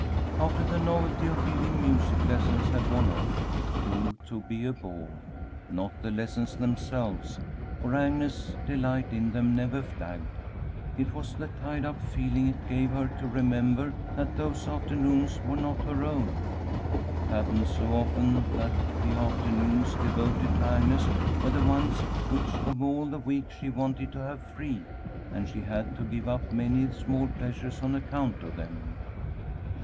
After the novelty of giving music lessons had worn off, it grew to be a bore. Not the lessons themselves, for Agnes's delight in them never flagged. It was the tied up feeling it gave her to remember that those afternoons were not her own. It happened so often that the afternoons devoted to Agnes were the ones which of all the week she wanted to have free, and she had to give up many small pleasures on account of them.